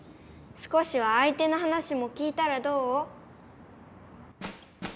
少しはあい手の話も聞いたらどう？